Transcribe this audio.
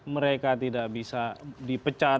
mereka tidak bisa dipecat